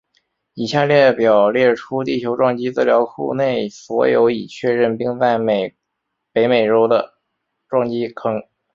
以下列表列出地球撞击资料库内所有已确认并在北美洲的撞击坑。